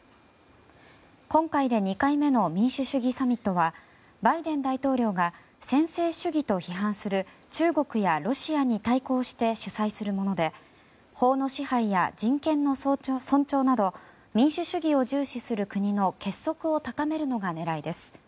今回で２回目の民主主義サミットはバイデン大統領が専制主義と批判する中国やロシアに対抗して主催するもので法の支配や人権の尊重など民主主義を重視する国の結束を高めるのが狙いです。